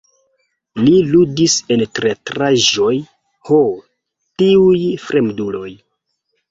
Li ludis en teatraĵoj "Ho, tiuj fremduloj!